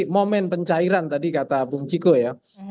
momen pencairan tadi kata bung ciko ya